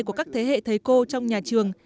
của các thế hệ thầy cô trong nhà trường